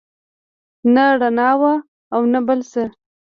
نه رڼا وه او نه بل څه.